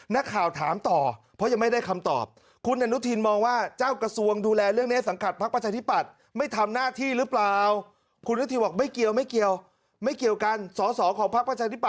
นักข่าวถามต่อเพราะยังไม่ได้คำตอบ